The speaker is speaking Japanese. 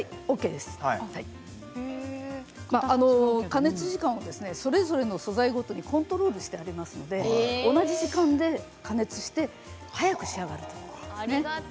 加熱時間をそれぞれの素材ごとにコントロールしてありますので同じ時間で加熱して早く仕上がるという。